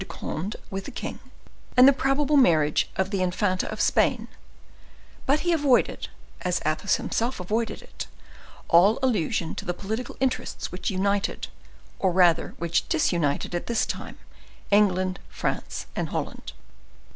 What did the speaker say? de Conde with the king, and the probable marriage of the infanta of Spain; but he avoided, as Athos himself avoided it, all allusion to the political interests which united, or rather which disunited at this time, England, France and Holland.